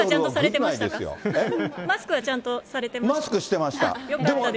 マスクはちゃんとされてましえっ？